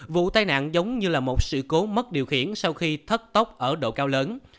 vụ tai nạn giống như là một sự cố mất điều khiển sau khi thất tốc ở độ cao lớn